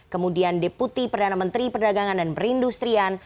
kemudian deputi perdana menteri perdagangan dan perindustrian